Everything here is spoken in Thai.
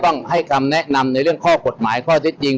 นำเป็นในเรื่องข้อกฎหมายข้าวจิตจริง